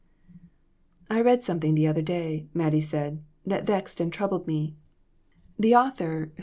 '" "I read something the other day," Mattie said, "that vexed and troubled me. The author, who LESSONS.